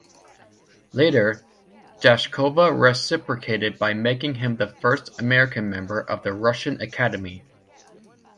Later, Dashkova reciprocated by making him the first American member of the Russian Academy.